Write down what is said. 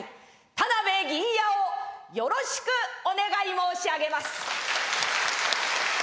田辺銀冶をよろしくお願い申し上げます。